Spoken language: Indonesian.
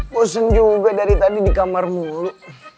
bosen juga dari tadi di kamar mulu